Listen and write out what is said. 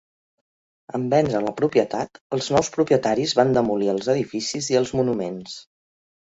En vendre la propietat, els nous propietaris van demolir els edificis i els monuments.